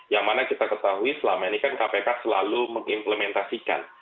yang mana kita ketahui selama ini kan kpk selalu mengimplementasikan